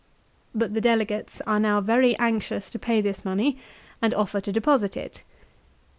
But the delegates are now very anxious to pay this money ; and offer to deposit it.